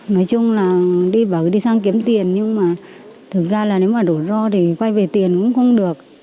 nói chung là đi bảo cứ đi sang kiếm tiền nhưng mà thực ra là nếu mà đổ ro thì quay về tiền cũng không được